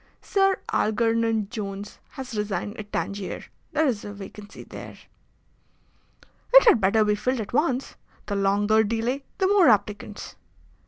Sir Algernon Jones has resigned at Tangier. There is a vacancy there." "It had better be filled at once. The longer delay the more applicants."